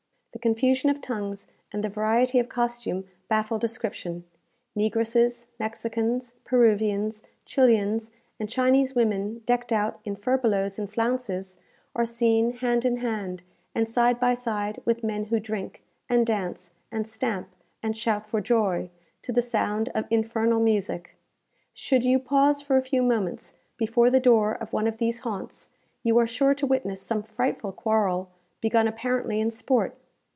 The confusion of tongues and the variety of costume baffle description. Negresses, Mexicans, Peruvians, Chilians, and Chinese women decked out in furbelows and flounces, are seen hand in hand, and side by side with men who drink, and dance, and stamp, and shout for joy, to the sound of infernal music. Should you pause for a few moments before the door of one of these haunts, you are sure to witness some frightful quarrel, begun apparently in sport.